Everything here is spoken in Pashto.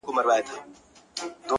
سـتـــا خــبــــــري دي ـ